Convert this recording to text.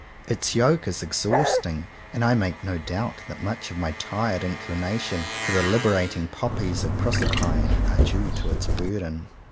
Its yoke is exhausting and I make no doubt that much of my tired inclination for the liberating poppies of Proserpine are due to its burden.